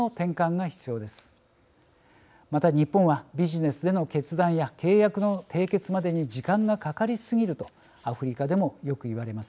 また日本はビジネスでの決断や契約の締結までに時間がかかりすぎるとアフリカでもよく言われます。